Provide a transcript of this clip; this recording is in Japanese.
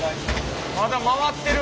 まだ回ってる。